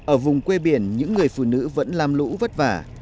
ở vùng quê biển những người phụ nữ vẫn lam lũ vất vả